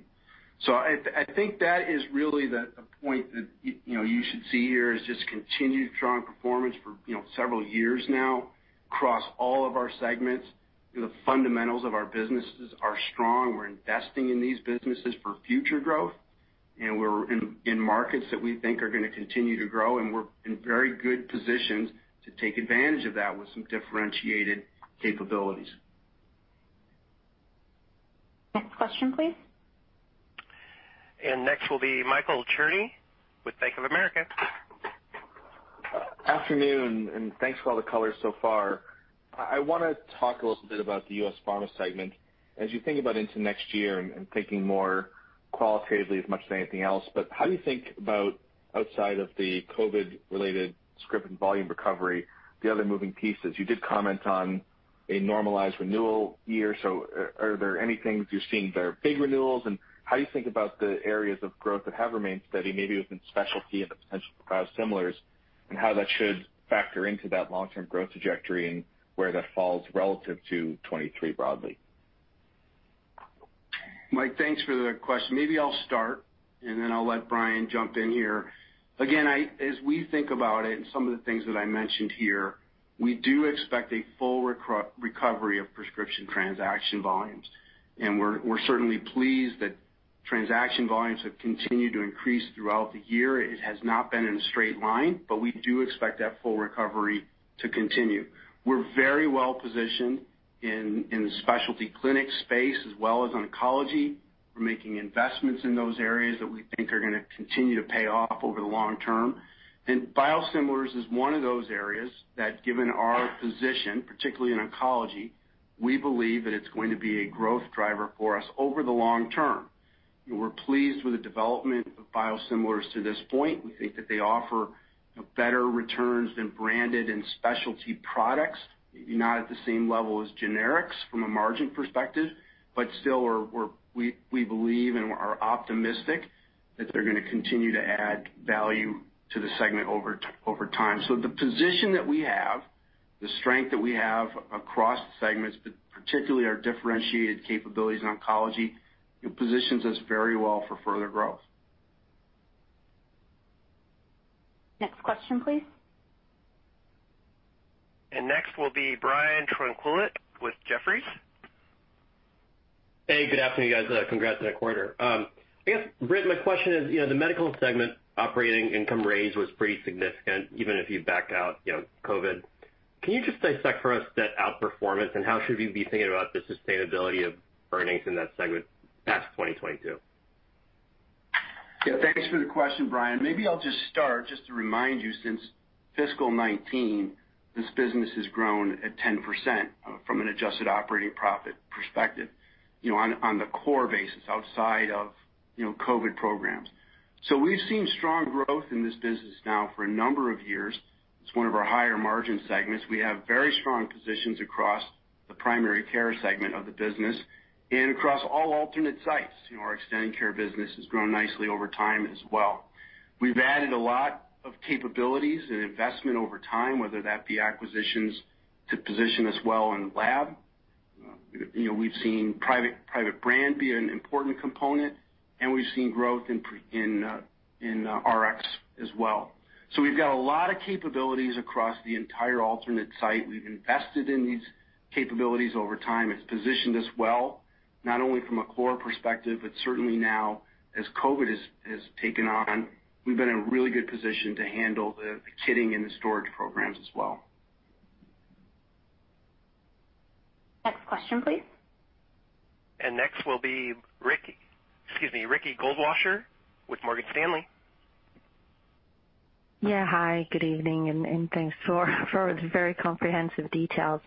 Speaker 4: I think that is really the point that you know you should see here is just continued strong performance for you know several years now across all of our segments. You know, the fundamentals of our businesses are strong. We're investing in these businesses for future growth, and we're in markets that we think are gonna continue to grow, and we're in very good positions to take advantage of that with some differentiated capabilities.
Speaker 2: Next question, please.
Speaker 1: Next will be Michael Cherny with Bank of America.
Speaker 9: Afternoon, thanks for all the color so far. I wanna talk a little bit about the U.S. Pharmaceutical segment. As you think about into next year and thinking more qualitatively as much as anything else, but how do you think about outside of the COVID related script and volume recovery, the other moving pieces? You did comment on a normalized renewal year, so are there any things you're seeing that are big renewals? How do you think about the areas of growth that have remained steady, maybe within specialty and the potential for biosimilars, and how that should factor into that long-term growth trajectory and where that falls relative to 2023 broadly?
Speaker 4: Mike, thanks for the question. Maybe I'll start, and then I'll let Brian jump in here. Again, as we think about it and some of the things that I mentioned here, we do expect a full recovery of prescription transaction volumes. We're certainly pleased that transaction volumes have continued to increase throughout the year. It has not been in a straight line, but we do expect that full recovery to continue. We're very well positioned in the specialty clinic space as well as oncology. We're making investments in those areas that we think are gonna continue to pay off over the long term. Biosimilars is one of those areas that given our position, particularly in oncology, we believe that it's going to be a growth driver for us over the long term. We're pleased with the development of biosimilars to this point. We think that they offer, you know, better returns than branded and specialty products, not at the same level as generics from a margin perspective, but still we believe and are optimistic that they're gonna continue to add value to the segment over time. The position that we have, the strength that we have across the segments, but particularly our differentiated capabilities in oncology, it positions us very well for further growth.
Speaker 2: Next question, please.
Speaker 1: Next will be Brian Tanquilut with Jefferies.
Speaker 10: Hey, good afternoon, guys. Congrats on the quarter. I guess, Britt, my question is, you know, the Medical-Surgical segment operating income raise was pretty significant, even if you back out, you know, COVID. Can you just dissect for us that outperformance, and how should we be thinking about the sustainability of earnings in that segment past 2022?
Speaker 4: Yeah. Thanks for the question, Brian. Maybe I'll just start to remind you, since fiscal 2019, this business has grown at 10%, from an adjusted operating profit perspective, you know, on the core basis outside of, you know, COVID programs. We've seen strong growth in this business now for a number of years. It's one of our higher margin segments. We have very strong positions across the primary care segment of the business and across all alternate sites. You know, our extended care business has grown nicely over time as well. We've added a lot of capabilities and investment over time, whether that be acquisitions to position us well in lab. You know, we've seen private brand be an important component, and we've seen growth in RX as well. We've got a lot of capabilities across the entire alternate site. We've invested in these capabilities over time. It's positioned us well, not only from a core perspective, but certainly now as COVID has taken on, we've been in a really good position to handle the kitting and the storage programs as well.
Speaker 2: Next question, please.
Speaker 1: Next will be Ricky Goldwasser with Morgan Stanley.
Speaker 11: Yeah. Hi, good evening, and thanks for the very comprehensive details.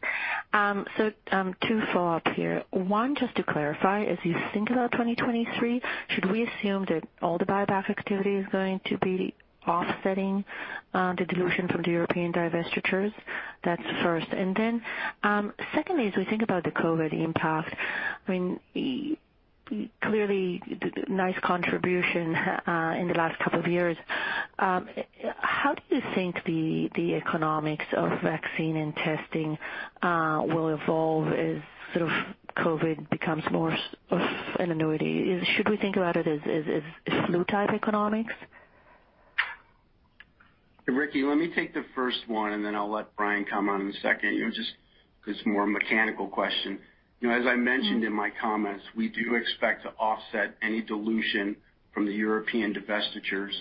Speaker 11: Two follow-ups here. One, just to clarify, as you think about 2023, should we assume that all the buyback activity is going to be offsetting the dilution from the European divestitures? That's first. Secondly, as we think about the COVID impact, I mean, clearly nice contribution in the last couple of years. How do you think the economics of vaccine and testing will evolve as sort of COVID becomes more of an annuity? Should we think about it as flu-type economics?
Speaker 4: Ricky, let me take the first one, and then I'll let Brian come on in a second, you know, just 'cause it's more a mechanical question. You know, as I mentioned in my comments, we do expect to offset any dilution from the European divestitures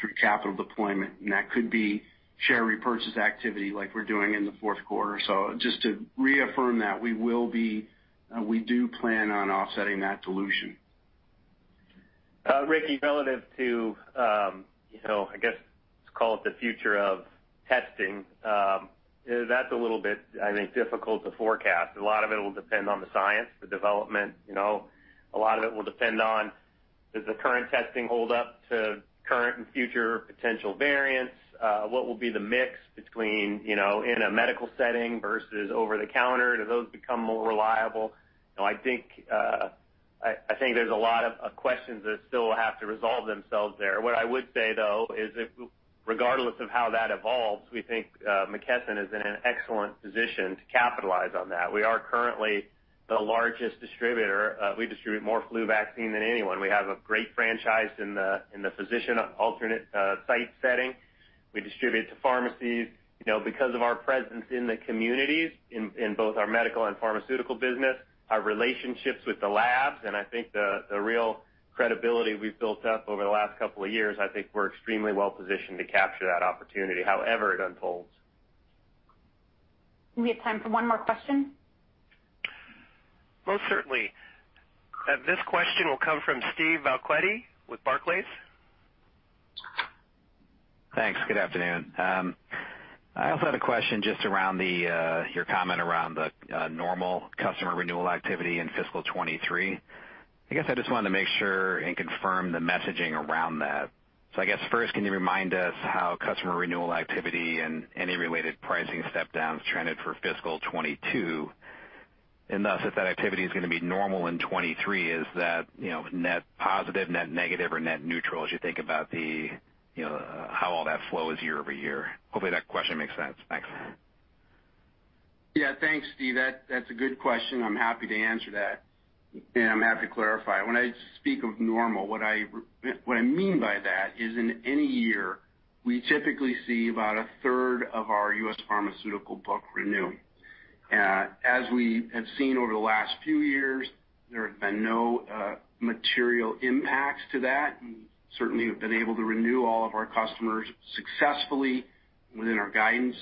Speaker 4: through capital deployment, and that could be share repurchase activity like we're doing in the fourth quarter. Just to reaffirm that we do plan on offsetting that dilution.
Speaker 3: Ricky, relative to, you know, I guess, let's call it the future of testing, that's a little bit, I think, difficult to forecast. A lot of it will depend on the science, the development. You know, a lot of it will depend on does the current testing hold up to current and future potential variants? What will be the mix between, you know, in a medical setting versus over-the-counter? Do those become more reliable? You know, I think there's a lot of questions that still have to resolve themselves there. What I would say, though, is, regardless of how that evolves, we think McKesson is in an excellent position to capitalize on that. We are currently the largest distributor. We distribute more flu vaccine than anyone. We have a great franchise in the physician alternate site setting. We distribute to pharmacies. You know, because of our presence in the communities, in both our medical and pharmaceutical business, our relationships with the labs, and I think the real credibility we've built up over the last couple of years, I think we're extremely well positioned to capture that opportunity however it unfolds.
Speaker 2: We have time for one more question.
Speaker 1: Most certainly. This question will come from Steve Valiquette with Barclays.
Speaker 12: Thanks. Good afternoon. I also had a question just around your comment around the normal customer renewal activity in fiscal 2023. I guess I just wanted to make sure and confirm the messaging around that. I guess first, can you remind us how customer renewal activity and any related pricing step downs trended for fiscal 2022? Thus, if that activity is gonna be normal in 2023, is that, you know, net positive, net negative, or net neutral as you think about the, you know, how all that flows year-over-year? Hopefully, that question makes sense. Thanks.
Speaker 4: Yeah. Thanks, Steve. That's a good question. I'm happy to answer that, and I'm happy to clarify. When I speak of normal, what I mean by that is in any year, we typically see about a third of our U.S. Pharmaceutical book renew. As we have seen over the last few years, there have been no material impacts to that. We certainly have been able to renew all of our customers successfully within our guidance,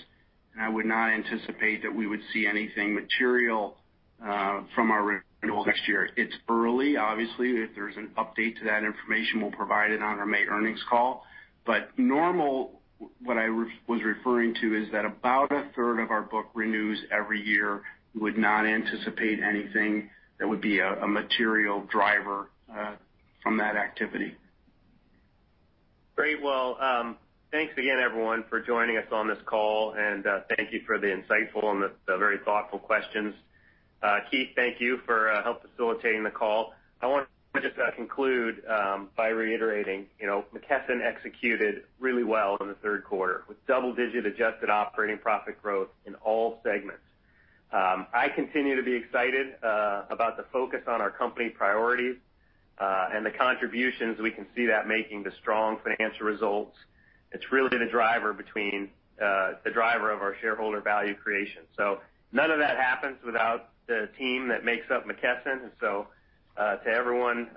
Speaker 4: and I would not anticipate that we would see anything material from our renewal next year. It's early, obviously. If there's an update to that information, we'll provide it on our May earnings call. Normal, what I was referring to is that about a third of our book renews every year. We would not anticipate anything that would be a material driver from that activity.
Speaker 3: Great. Well, thanks again, everyone, for joining us on this call, and thank you for the insightful and very thoughtful questions. Keith, thank you for your help facilitating the call. I want just to conclude by reiterating, you know, McKesson executed really well in the third quarter with double-digit adjusted operating profit growth in all segments. I continue to be excited about the focus on our company priorities, and the contributions we can see that making the strong financial results. It's really been a driver of our shareholder value creation. None of that happens without the team that makes up McKesson. To everyone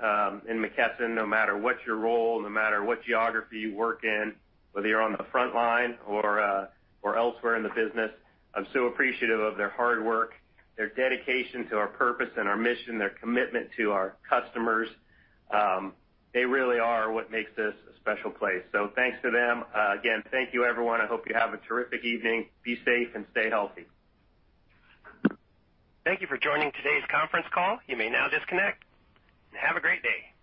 Speaker 3: in McKesson, no matter what your role, no matter what geography you work in, whether you're on the front line or elsewhere in the business, I'm so appreciative of their hard work, their dedication to our purpose and our mission, their commitment to our customers. They really are what makes this a special place. Thanks to them. Again, thank you, everyone. I hope you have a terrific evening. Be safe and stay healthy.
Speaker 1: Thank you for joining today's conference call. You may now disconnect. Have a great day.